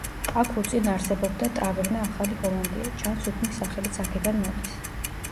აქ უწინ არსებობდა ტავერნა „ახალი ჰოლანდია“, ჩანს, უბნის სახელიც აქედან მოდის.